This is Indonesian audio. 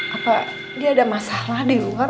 apa dia ada masalah di luar